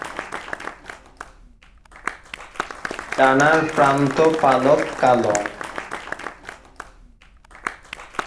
ডানার প্রান্ত-পালক কালো।